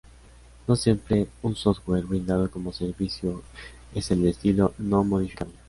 No siempre un software brindado como servicio es del estilo no-modificable.